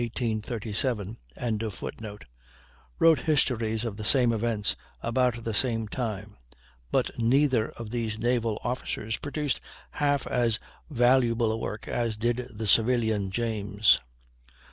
] wrote histories of the same events, about the same time; but neither of these naval officers produced half as valuable a work as did the civilian James.